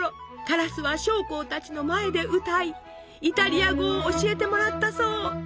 カラスは将校たちの前で歌いイタリア語を教えてもらったそう。